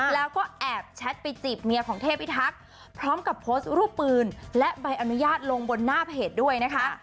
แล้วก็แอบแชทไปจีบเมียของเทพิทักษ์พร้อมกับโพสต์รูปปืนและใบอนุญาตลงบนหน้าเพจด้วยนะคะ